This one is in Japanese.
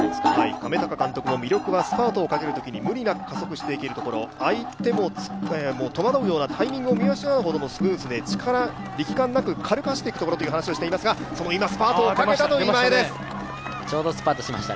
亀鷹監督は魅力はスパートをかけるときに無理なく加速していけるところ、相手も戸惑うようなタイミングを見失うようなスパートで力感なく軽く走っていくところと話していますが、今スパートしました。